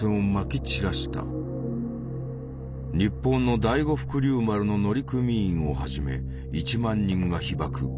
日本の第五福竜丸の乗組員をはじめ１万人が被ばく。